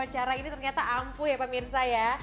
acara ini ternyata ampuh ya pemirsa ya